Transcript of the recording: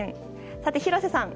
さて廣瀬さん